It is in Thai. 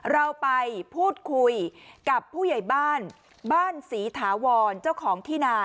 เราไปพูดคุยกับผู้ใหญ่บ้านบ้านศรีถาวรเจ้าของที่นา